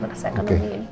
terima kasih dokter